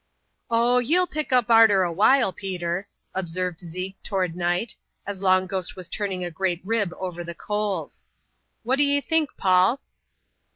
"Oh, yell pick up arter a while, Peter,'* observed Keke, toward night, as Long Ghost was turning a great rib over the coals —" what d'ye think, Paul